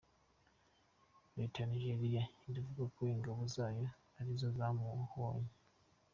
Leta ya Nigeria iravuga ko ingabo zayo arizo zamubonye.